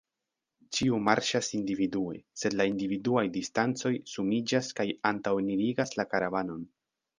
Ĉiu marŝas individue, sed la individuaj distancoj sumiĝas kaj antaŭenirigas la karavanon.